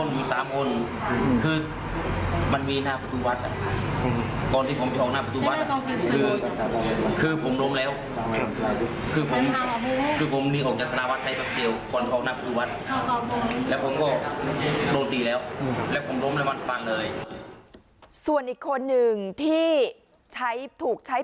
ถูกใช้ประโยชน์